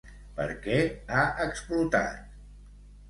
Per què ha explotat?